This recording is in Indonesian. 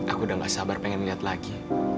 aku udah gak sabar pengen lihat lagi